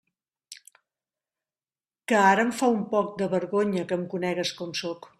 Que ara em fa un poc de vergonya que em conegues com sóc.